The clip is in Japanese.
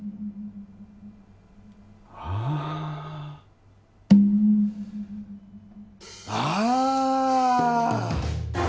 はあああ！